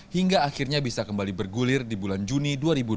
hingga akhirnya bisa kembali bergulir di bulan juni dua ribu dua puluh